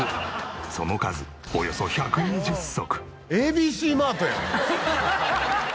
その数およそ１２０足。